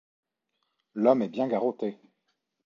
L’homme est bien garrotté.